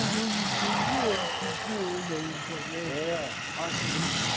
安心できるね。